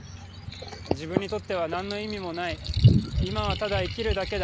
自分にとっては何の意味もない今は、ただ生きるだけだ。